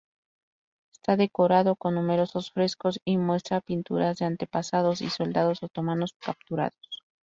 Está decorado con numerosos frescos y muestra pinturas de antepasados y soldados otomanos capturados.